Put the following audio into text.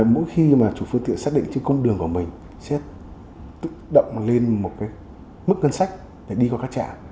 mỗi khi mà chủ phương tiện xác định cái cung đường của mình sẽ tự động lên một cái mức ngân sách để đi qua các trạm